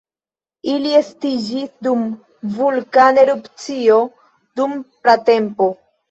Ili estiĝis dum vulkana erupcio dum pratempo.